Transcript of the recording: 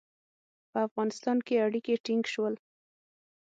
په افغانستان کې اړیکي ټینګ شول.